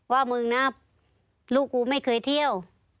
ว่ามึงนะลูกกูไม่เคยเที่ยว